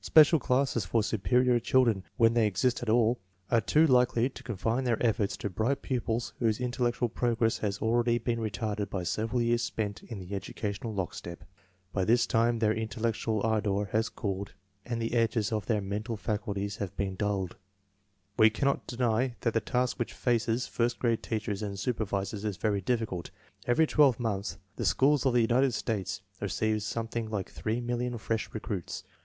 Special classes for superior children, when they exist at all, are too likely to confine their efforts to bright pupils whose intellectual progress has already been retarded by several years spent in the educational lockstep. By 1 Written with the assistance of Virgil E. Dickson. DIFFERENCES IN FIRST GRADE CHILDREN 4S this time their intellectual ardor has cooled and the edges of their mental faculties have been dulled. We cannot deny that the task which faces first grade teachers and supervisors is very difficult. Every twelve months the schools of the United States receive something like three million fresh recruits.